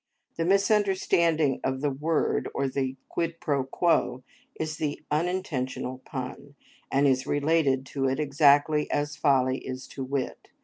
The misunderstanding of the word or the quid pro quo is the unintentional pun, and is related to it exactly as folly is to wit.